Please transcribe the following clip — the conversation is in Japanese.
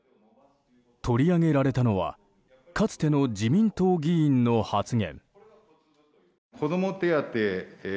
取り上げられたのはかつての自民党議員の発言。